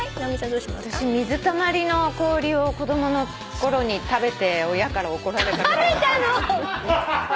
私水たまりの氷を子供のころに食べて親から怒られたことが。